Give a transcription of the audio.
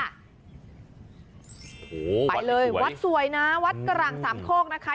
โหวัดสวยวัดสวยนะวัดกระหล่างสามโคกนะคะ